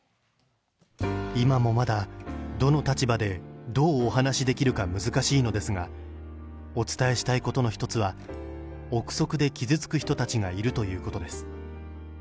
今もまだ、どの立場でどうお話しできるか難しいのですが、お伝えしたいことの一つは、臆測で傷つく人たちがいるということです。